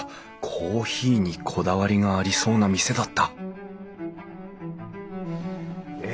コーヒーにこだわりがありそうな店だったえ